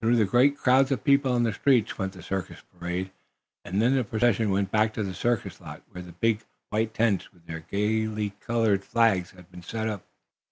Through great crowds of people on the streets went the circus parade, and then the procession went back to the circus lot where the big, white tents, with their gaily colored flags, had been set up.